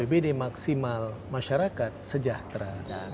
apbd maksimal masyarakat sejahtera